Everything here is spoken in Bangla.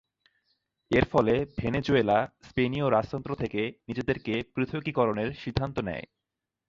এরফলে ভেনেজুয়েলা স্পেনীয় রাজতন্ত্র থেকে নিজেদেরকে পৃথকীকরণের সিদ্ধান্ত নেয়।